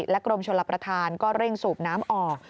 และกรมชนรับประทานก็เร่งสูบน้ำออก